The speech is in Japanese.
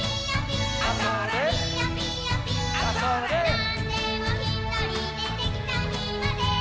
「なんでもひとりでできちゃうひまで」